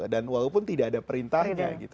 dan walaupun tidak ada perintahnya